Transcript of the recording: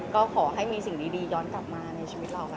ก็ขอให้มีสิ่งดีย้อนกลับมาในชีวิตเราค่ะ